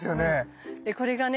でこれがね